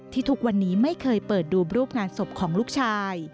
ทุกวันนี้ไม่เคยเปิดดูรูปงานศพของลูกชาย